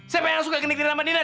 siapa yang suka genit genit sama dina